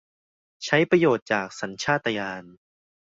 ใช้ประโยชน์จากสัญชาตญาณ